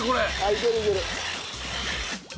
いけるいける。